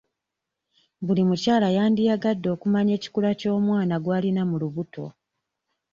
Buli mukyala yandiyagadde okumanya ekikula ky'omwana gw'alina mu lubuto.